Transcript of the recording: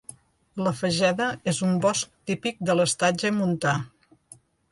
La fageda és un bosc típic de l'estatge montà.